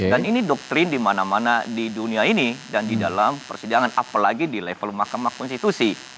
dan ini doktrin dimana mana di dunia ini dan di dalam persidangan apalagi di level mahkamah konstitusi